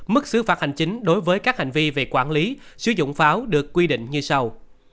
mức xứ phạt hành chính đối với các hành vi về quản lý sử dụng pháo được quy định như sau